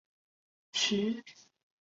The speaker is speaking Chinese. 徐揖据城死守。